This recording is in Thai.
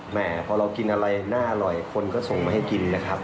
แม่พอเรากินอะไรน่าอร่อยคนก็ส่งมาให้กินนะครับ